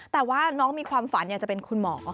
แต่ว่าน้องมีความฝันอยากจะเป็นคุณหมอ